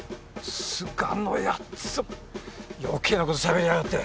須賀のやつ余計なことしゃべりやがって。